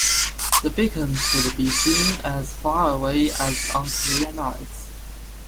The beacon could be seen as far away as on clear nights.